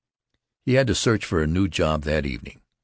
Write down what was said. He had to search for a new job that evening.